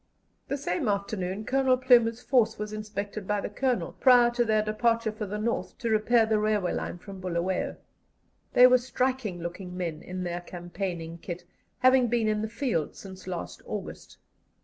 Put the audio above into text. The same afternoon Colonel Plumer's force was inspected by the Colonel, prior to their departure for the North to repair the railway line from Bulawayo. They were striking looking men in their campaigning kit, having been in the field since last August.